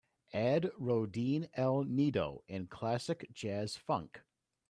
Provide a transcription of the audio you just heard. add rondine al nido in Classic Jazz Funk